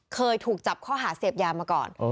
เคยถูกจับข้อหาเสพยามาก่อน